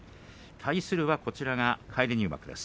対するは返り入幕です